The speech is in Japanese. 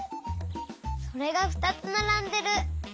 それがふたつならんでる。